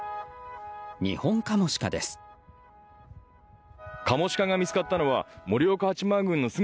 ニホンカモシカです。